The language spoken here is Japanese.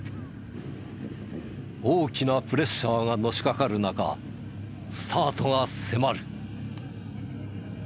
大きなプレッシャーがのしかかる中スタートが迫る。